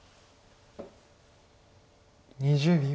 ２０秒。